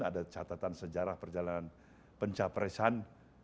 ada catatan sejarah perjalanan pencapresan